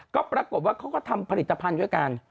ก็ปรากฏว่าเขาก็ทำผลิตภัณฑ์ด้วยกัน